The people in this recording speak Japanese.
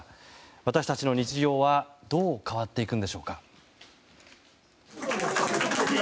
私たちの日常はどう変わっていくのでしょうか。